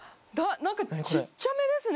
何かちっちゃめですね